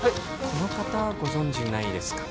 この方ご存じないですか？